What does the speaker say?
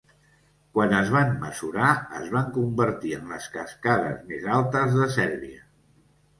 Quan es van mesurar es van convertir en les cascades més altes de Sèrbia.